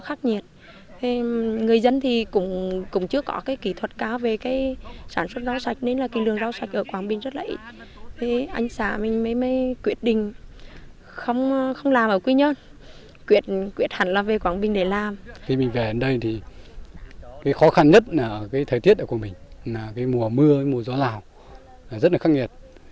khi mình về đến đây khó khăn nhất là thời tiết của mình mùa mưa mùa gió lào rất khắc nghiệt